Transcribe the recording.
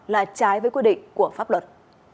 là trái với quy định của pháp luật